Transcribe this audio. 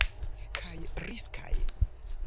Kaj riskaj.